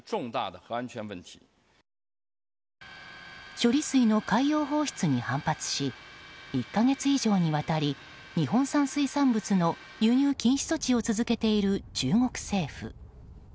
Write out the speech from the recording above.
処理水の海洋放出に反発し１か月以上にわたり日本産水産物の輸入禁止措置を続けている中国政府。